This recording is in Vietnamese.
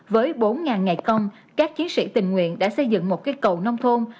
với bốn ngày công các chiến sĩ tình nguyện đã xây dựng một cái cầu nông thôn